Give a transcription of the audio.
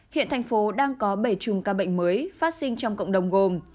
hiện thành phố đang có bảy chùm ca bệnh mới phát sinh trong cộng đồng gồm